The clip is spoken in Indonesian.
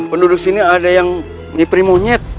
penduduk sini ada yang diprimunyet